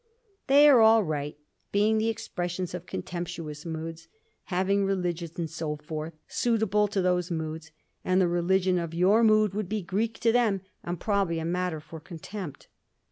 They are all right, being the expressions of contemptuous moods, having religions and so forth, suitable to these moods; and the religion of your mood would be Greek to them, and probably a matter for contempt.